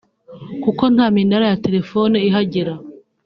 kuko nta minara ya telefone ihagera